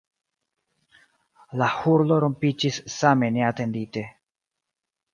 La hurlo rompiĝis same neatendite.